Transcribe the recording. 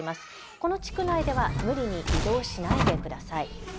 この地区内では無理に移動しないでください。